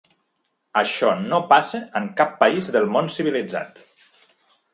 Això no passa en cap país del món civilitzat.